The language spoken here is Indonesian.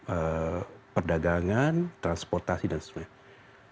apakah akan juga membuka peluang yang sama luasnya secara proporsional bagi masyarakat papua